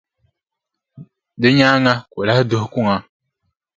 Di nyaaŋa ka o lahi duhi kuŋa.